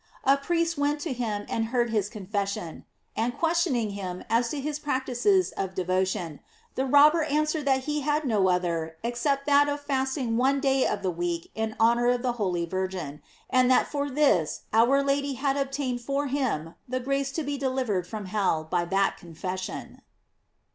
A priest went to him and heard his confession; and question ing him as to his practices of devotion, the rob ber answered that he had no other except that of fasting one day of the week in honor of the holy Virgin, and that for this our Lady had ob tained for him the grace to be delivered from hell by that confession.